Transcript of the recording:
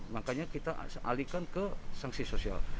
makanya kita alihkan ke sanksi sosial